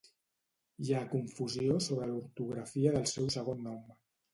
Hi ha confusió sobre l'ortografia del seu segon nom.